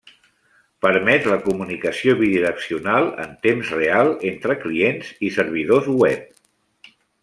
Permet la comunicació bidireccional en temps real entre clients i servidors web.